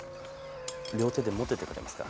両手で持っててくれますか？